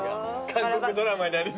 韓国ドラマにありそう。